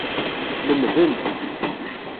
Lemdent.